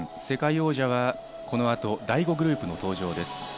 世界王者はこの後、第５グループの登場です。